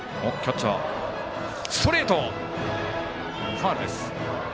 ファウルです。